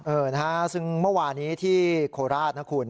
เออนะฮะซึ่งเมื่อวานี้ที่โคราชนะคุณ